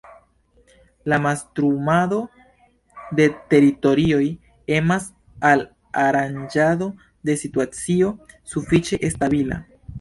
La mastrumado de teritorioj emas al aranĝado de situacio sufiĉe stabila.